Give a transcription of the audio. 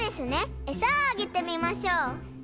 えさをあげてみましょう。